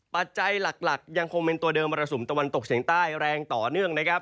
ปัจจัยหลักยังคงเป็นตัวเดิมมรสุมตะวันตกเฉียงใต้แรงต่อเนื่องนะครับ